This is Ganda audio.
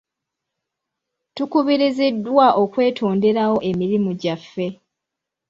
Tukubiriziddwa okwetonderawo emirimu gyaffe.